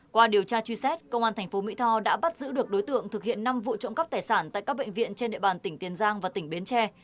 qua điều tra truy xét công an thành phố mỹ tho đã bắt giữ được đối tượng thực hiện năm vụ trộm cắp tài sản tại các bệnh viện trên địa bàn tỉnh tiền giang và tỉnh bến tre